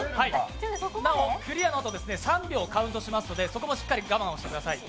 なお、クリアのあと３秒カウントしますので、そこもしっかり我慢をしてください。